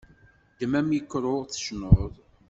Ddem amikru, tecnuḍ.